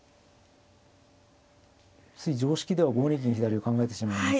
つい常識では５二銀左を考えてしまいます。